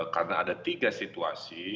karena ada tiga situasi